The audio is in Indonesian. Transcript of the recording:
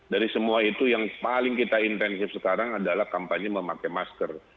dari semua itu yang paling kita intensif sekarang adalah kampanye memakai masker